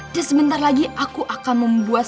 dan sebentar lagi aku akan membuat